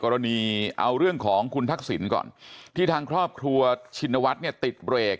กรณีเอาเรื่องของคุณทักษิณก่อนที่ทางครอบครัวชินวัฒน์เนี่ยติดเบรก